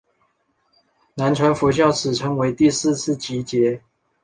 南传佛教称此为第四次结集。